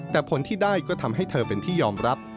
แต่ผลที่ได้ก็ทำให้เธอเป็นที่ยอมรับ